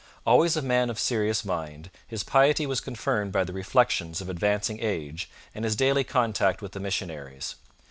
Always a man of serious mind, his piety was confirmed by the reflections of advancing age and his daily contact with the missionaries.